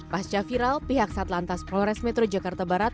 pasca viral pihak satlantas polres metro jakarta barat